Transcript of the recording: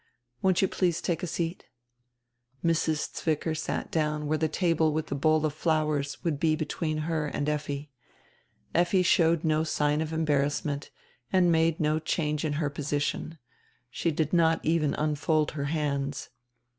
Won't you please take a seat?" Mrs. Zwicker sat down where die table widi the bowl of flowers would be between her and Effi. Effi showed no sign of embarrassment and made no change in her posi tion; she did not even unfold her hands.